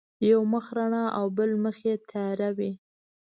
یو مخ رڼا او بل مخ یې تیار وي.